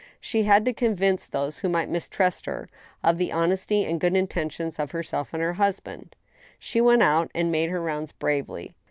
She had to convince those who might mistrust her, of the honesty and good intentions of herself and husband. She went out and made her rounds bravely.